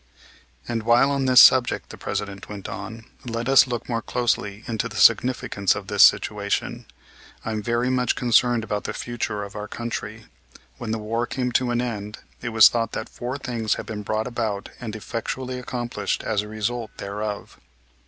"And while on this subject," the President went on, "let us look more closely into the significance of this situation. I am very much concerned about the future of our country. When the War came to an end it was thought that four things had been brought about and effectually accomplished as a result thereof.